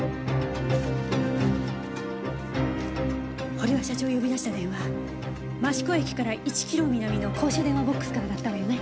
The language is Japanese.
堀場社長を呼び出した電話益子駅から１キロ南の公衆電話ボックスからだったわよね？